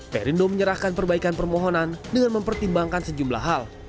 perindo menyerahkan perbaikan permohonan dengan mempertimbangkan sejumlah hal